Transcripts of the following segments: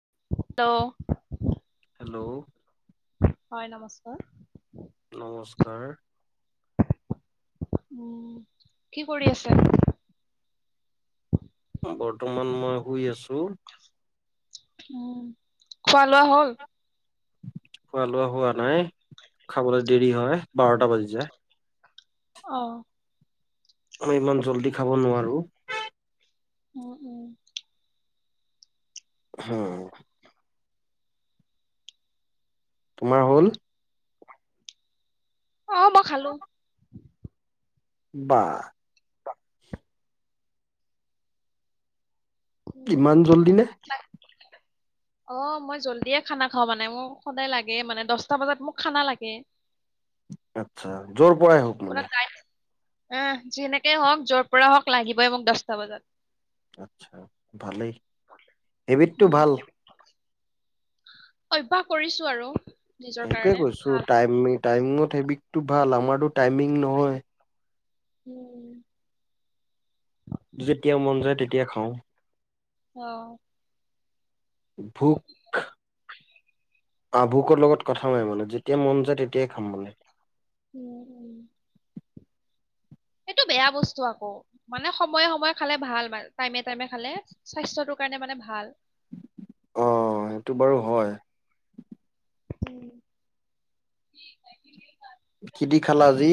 Hello? Hello? হয়, নমস্কাৰ। নমস্কাৰ। কি কৰি আছে? বৰ্তমান মই শুই আছো। উম, খোৱা লোৱা হ'ল। খোৱা লোৱা হোৱা নাই। খাবলৈ দেৰি হয়, বাৰটা বাজি যায়। অ'। মই ইমান জল্দি খাব নোৱাৰোঁ। উম, উম। হম। তোমাৰ হ'ল? অঁ, মই খালোঁ। বা! [unintelligible] উম ইমান জল্দি নে? [unintelligible] অ মই জল্ডিয়ে খানা খাওঁ মানে মোক সদায় লাগে মানে দছটা বজাত মোক খানা লাগে। আচ্ছা যৰ পৰাই হওক মানে অহ যেনেকেই হওক যৰ পৰা হওক লাগিবই মোক দছটা বজাত। আচ্ছা, ভালেই। হেবিতটো উম ভাল। অভ্যাস কৰিছো আৰু। নিজৰ সেইটোৱে কাৰণে কৈছো, ভাল টাইম, টাইমৰ হেবিতটো ভাল। আমাৰটো টাইমিং নহয়। উম। যেতিয়া মন যায় তেতিয়া খাওঁ। অহ। ভোক আভোকৰ লগত কথা মই মানে যেতিয়া মন যায় তেতিয়াই খাম মানে। উম উম সেইটো বেয়া বস্তু আকৌ মানে সময়ে সময়ে খালে ভাল টাইমে টাইমে খালে স্বাস্থ্যটো টোৰ কাৰণে মানে ভাল অ সেইটো বাৰু হয়। উম কি দি খালা আজি?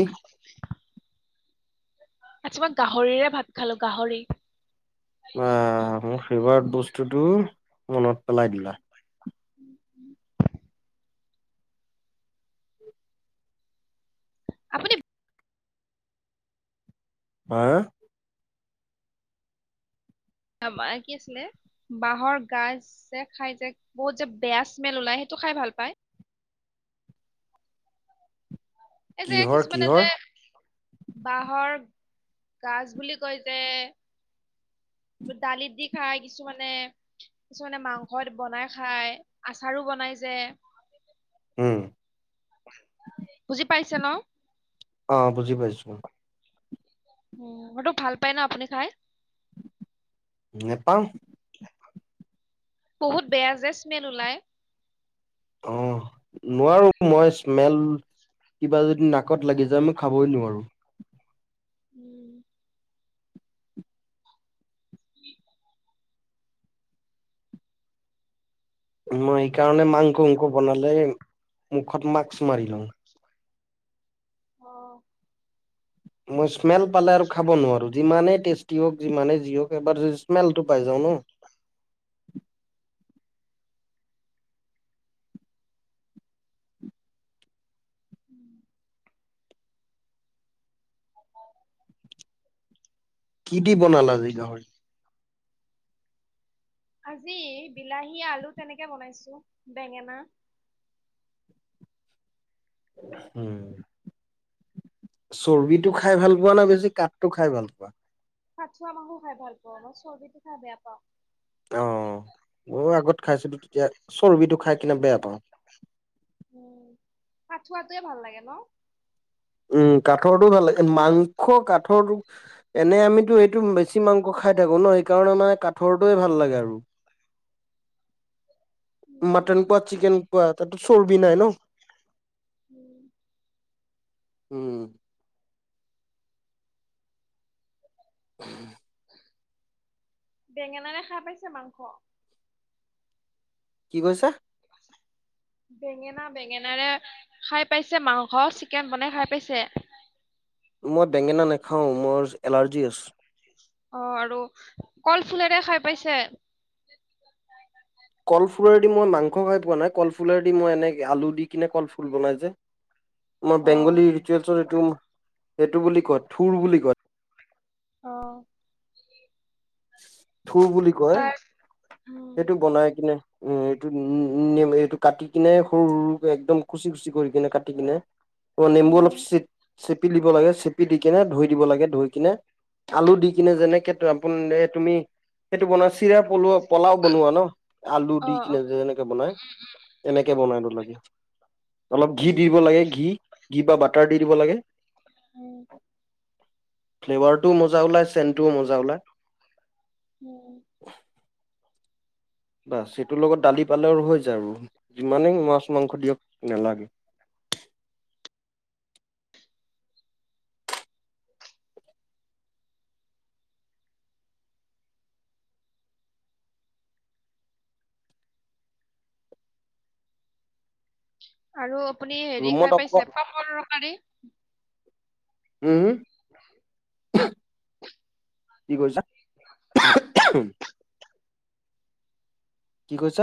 আজি মই গাহৰিৰে ভাত খালো গাহৰি। আহ, মোৰ ফেভাৰ বস্তুটো মনত পেলাই দিলা। [inaudible] আপুনি ভা আ মায়ে কি আছিলে? বাঁহৰ গাজ যে খাই যে বহুত যে বেয়া স্মেল ওলাই সেইটো খাই ভাল পায়। এ যে কিহৰ কিছুমানে কিহৰ যে বাঁহৰ গাজ বুলি কয় যে খাই কিছুমানে, কিছুমানে মাংসত বনাই খায়, আচাৰো বনাই যে উম বুজি পাইছে ন? অ বুজি পাইছো। উম, সেইটো ভাল পাই ন আপুনি খায়? নেপাম। বহুত বেয়া যে স্মেল ওলাই। অ [inaudible] নোৱাৰো মই স্মেল, কিবা যদি নাকত লাগি যায় মই খাবই নোৱাৰো। উম। [inaudible] মই সেইকাৰণে মাংস অংস বনালে মুখত মাক্স মাৰি লওঁ। অহ। মই স্মেল পালে আৰু খাব নোৱাৰো, যিমানেই টেষ্টি হওক যিমানে যি যি হওক বা [unintelligible] স্মেলটো পাই যাও ন? উম। কি দি বনালা আজি গাহৰি? [unintelligible] আজি বিলাহী আলু তেনেকে বনাইছো বেঙেনা। [unintelligible] উম। চৰ্বিটো খাই ভাল পোৱা না বেছি কাঠটো খাই ভাল পোৱা? খাচুৱোৱা মংস খাই ভাল পাওঁ মই চৰ্্বদিটো খাই বেয়া পাওঁ। আহ ময়ো আগত খাইছিলো তেতিয়া চৰ্বিটো খাই কিনে বেয়া পাওঁ। উম পঠোৱাটোৱে ভাল লাগে ন? কাঠৰোক, এনে আমিতো এইটো বেছি মাংস খাই থাকো ন সেইকাৰণে মানে কাঠৰটোয়ে ভাল ল লে আৰু। উম, মাটন পোৱা চিকেন পোৱা তাতো চৰ্বি নাই ন। উম। উম। বেঙেনাৰে খাই পাইছে মাংস? কি কৈছা? [unintelligible] বেঙেনা- বেঙেনাৰে খাই পাইছে মাংস চিকেন বনাই খাই পাইছে? জি আ [inaudible] অ আৰু কল ফুলৰে খাই পাইছে? কলফুলৰদি মই মাংস খাই পোৱা নাই কলফুলৰদি মই এনে আলু দি কিনে কলফুল বনাই যে। আমাৰ অ বেংগলী ৰিচুৱেলছৰ এইটো, সেইটো বুলি কয় থঠুৰ বুলি কয়। আহ। থু বুলি কয়, তাৰ উম সেইটো বনাই কিনে উম এইটোম এইটো কাটি কিনে সৰু সৰুক একদম খুচি খুচি কৰি কিনে কাটি কিনে নেম্বু অলপ উম চ চেপি দিব লাগে চেপি দি কিনে ধুই দিব লাগে ধই কিনে। আলু দি কিনে যেনেকে আপোন তুমি সেইটো বনোৱা চিৰা পলোৱা পোলাও বনোৱা ন আলু অ দি অ কিনে এনেকে বনাই। এনেকে বনাইন লাগে। অলপ ঘি দ উম দিব লাগে ঘি, ঘি বা বাটাৰ দি দিব লাগে। হয়। ফ্লেভাৰটোও মজা ওলাই চেণ্টোও মজা ওলাই। [inaudible] বা সেইটোৰ লগত দালি পালেও হৈ যায় আৰু যিমানেই মাছ মাংস দিয়ক নালাগে। আৰু আপুনি হেৰি ৰুমত খাই অক পাইছে পাপল তৰকাৰি? উম [inaudible] কি কৰিছা? কি ক'ছ?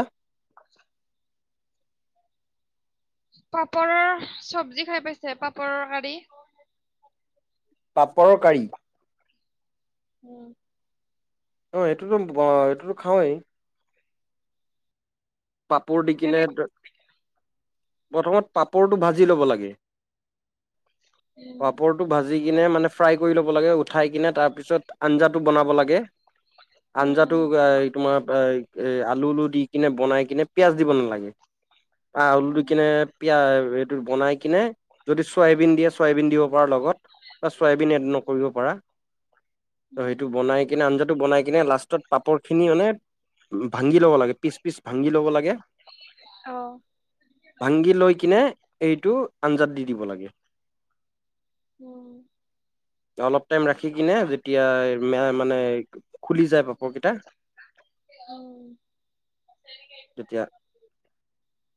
পাপৰৰ চব্জি খাই পাইছে পাপৰৰ গ়ী। পাপৰৰ কাৰী? [inaudible] অ' এইটোতো এইটোতো খাওঁেই। পাপোৰ দি কিনে কেনে প্ৰথমত পাপৰটো ভাজি ল'ব লাগে। উম পাপৰটো ভাজি কিনে মানে ফ্ৰাই কৰি ল'ব লাগে উঠাই কিনে তাৰ পিছত আঞ্জাটো বনাব লাগে। উম আঞ্জাটো এ তোমাৰ এ এ আলু আলু দি কিনে বনাই কিনে পিয়াজ দিব নালাগে, আ উম আলু দি উম কিনে পিয়াজ বনাই কিনে, যদি চয়াবিন দিয়ে চয়াবিন দিব পাৰা লগত, বা চয়াবিন এড উম নকৰিব পাৰা। ত উম সেইটো বনাই কিনে আঞ্জাটো বনাই কিনে লাষ্ট লষ্টত পাপৰ খিনি মানে ভাঙি ল'ব লাগে পিচ পিচ ভাঙি ল'ব লাগে। অ ভাংগি লৈ কিনে এইটো আঞ্জাত দি দিব লাগে। উম। অলপ টাইম ৰাখি কিনে অ যেতিয়া মানে খুলি যায় পাপৰকেইটা। [unintelligible] যেতিয়া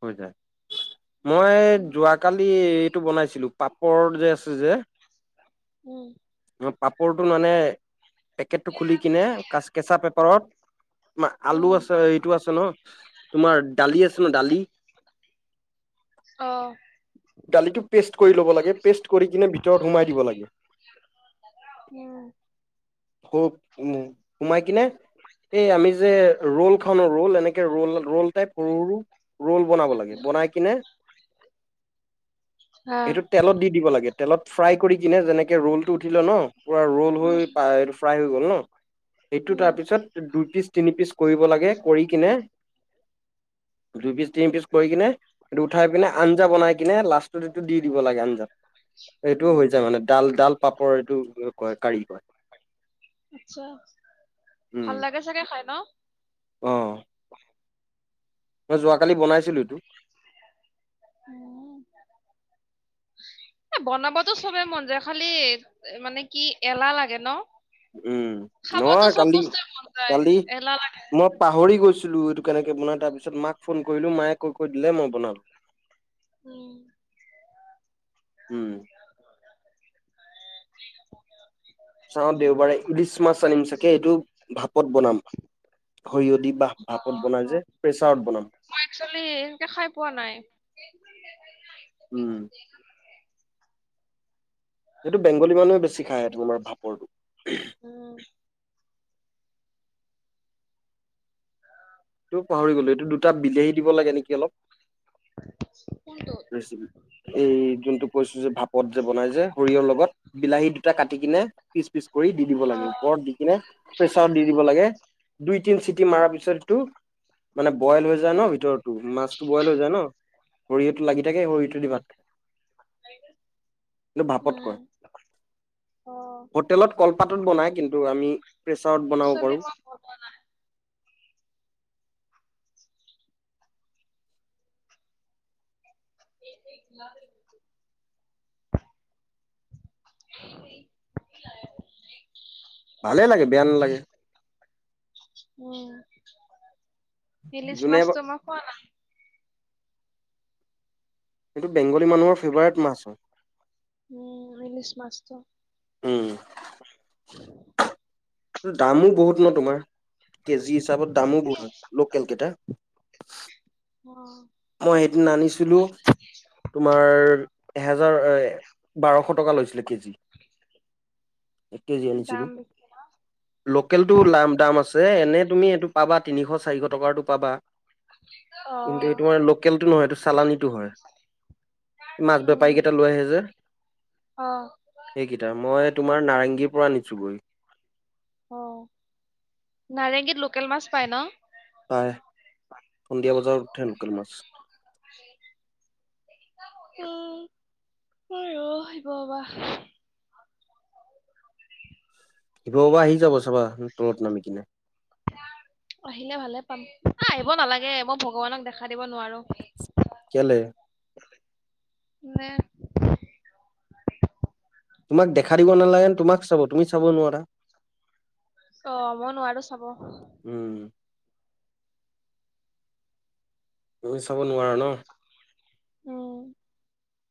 হৈ যায় মই যোৱাকালি এইটো বনাইছিলো পাপৰ। পাপৰ যে আছে যে উম। পাপৰটো মানে, পেকেটটো খুলি কিনেচ কেঁচা পেপাৰত তমাৰ আলু আছে এইটো আছে ন তোমাৰ দালি আছে ন দালি? অ'। দালিটো পে'ষ্ট কৰি ল'ব লাগে পে'ষ্ট কৰি কিনে ভিতৰত সোমাই দিব লাগে। [unintelligible] খ উ সোমাই কিনে এই আমি যে ৰল খা ন ৰল। ৰল টাইপ সৰু সৰু ৰ'ল বনাব লাগে বনাই কিনে। হ্যাঁ এটো তেলত দি দিব লাগে তেলত। ফ্ৰাই কৰি কিনে যেনেকে ৰল টো উঠিল ন পুৰা ৰল হুম হৈ ফ্ৰাই হৈ গ'ল ন। এইটো হুম তাৰপিছত দুই পিচ তিনি পিচ কৰিব লাগে কৰি কিনে। [inaudible] দুই পিচ তিনি পিচ কৰি কিনে এইটো উঠাই পিনে আঞ্জা বনাই কিনে লাষ্টত এইটো দি দিব লাগে আঞ্জাত। এইটোও হৈ হুম যায় মানে ডাল ডাল পাপৰ এইটো কয় কাৰী কয়। আচ্ছা ভাল লাগে চাগে খাই ন? আহ। মই যোৱাকালি বনাইছিলোঁ এইটো। উম। [unintelligible] বনাবতো চবে মন যায় খালি মানে কি এলাহ লাগে ন? উম খাবতো নহয় চব কালি বস্তুৱে মন যায় কালি। এলাহ লাগে মই পাহৰি গৈছিলো এইটো কেনেক বনাই তাৰ পিছত মাক ফোন কৰিলো মায়ে কৈ কৈ দিলে মই বনালো। উম। উম। চাওঁ দেওবাৰে ইলিচ মাছ আনিম চাগে এইটো ভাপত বনাম সৰিয় দি। বা ভাপত বনাই যে প্ৰেছাৰত বনাম মই এক্সেলী এনেকে খাই পোৱা নাই। উম। সেইটো বেংগলী মানুহে বেছি খাই তোমাৰ ভাপৰটো। উম। এইটো পাহৰি গলো এইটো দুটা বিলাহী দিব লাগে নেকি অলপ [unintelligible] ৰেচিপি এই যোনটো কৈছো যে ভাপত যে বনাই যে সৰিয়হৰ লগত বিলাহী দুটা কাটি কিনে পিচ পিচ কৰি দি দিব অ লাগে ওপৰত দি কিনে প্ৰেছাৰত দি দিব লাগে দুই তিন চিটি মাৰাৰ পিছতটো মানে বইল হৈ যায় ন ভিতৰতো মাছ বইল হৈ যায় ন সৰিয়হতটো লাগি থাকে সৰিয়হটো দি ভাত থাকে কিন্ত উম ভাপতকয় অ হোটেলত কলপাতত বনাই কিন্তু আমি প্ৰেছাৰত বনাব একচুৱেলি পাৰোঁ। [unintelligible] [inaudible] ভালেই লাগে বেয়া নালাগে। মই ইলিছ যোনে মীছতো মই ফোৱা না সটো বেংগলী মানুহৰ ফেভাৰেট মাছো মছ [unintelligible] দামো বহুত ন তোমাৰ কেজি হিচাপত দামো বহুত হয় লোকেল কেইটা অ, ' মই সেইদিন আনিছিলোঁ তোমাৰ এহেজাৰ বাৰশ টকা লৈছিলে কেজি যাম বিি লোকেলতটো লাম দাম আছে এনে তুমি এইটো পাবা তিনিশ চাৰিশ টকাটো পাবা অ',। তোমাৰ লোকেলটো নহয় এইটো চালানী মাছ উম, বেপাৰীকেইটা লৈ আহে যে অ' এইকেইটা মই তোমাৰ নাৰেংগীৰ পৰা আনিছোঁগৈ। অ' নাৰেংগীত লোকেল মাছ পায় ন? পাই সন্ধিয়া বজাৰত উঠে লোকেল মাছ উম, মোৰ ৰ আহিব বাা [inaudible] শিৱ বাবা আহি যাব চাবা তলত নামি কিনে আহিলে ভালে পাম আহিব নালাগে মই ভগৱানক দেখা দিব নোৱাৰো। কেলে? ন [unintelligible] তোমাক দেখা দিব নালাগেন তোমাক চাব তুমি চাব নোৱাৰা অ, ' মই নোৱাৰো চাব। উম তুমি চাব নোৱাৰা ন উম।